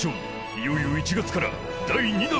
いよいよ１月から第２弾